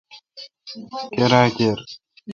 کیرا کیر۔